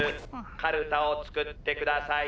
かるたをつくってください。